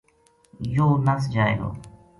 یوہ نس جائے گو‘‘